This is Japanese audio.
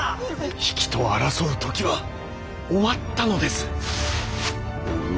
比企と争う時は終わったのです。